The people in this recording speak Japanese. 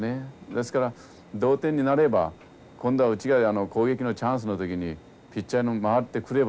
ですから同点になれば今度はうちが攻撃のチャンスの時にピッチャーに回ってくればですね